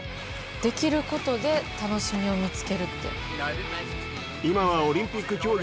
「できることで楽しみを見つける」って。